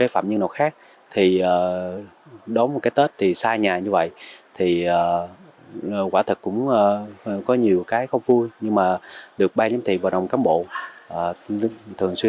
phạm nhân phạm ngọc vũ quê ở tp hcm tâm sự